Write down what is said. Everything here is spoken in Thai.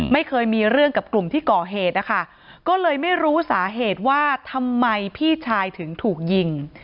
ไม่เคยมีเรื่องกับกลุ่มที่ก่อเหตุนะคะก็เลยไม่รู้สาเหตุว่าทำไมพี่ชายถึงถูกยิง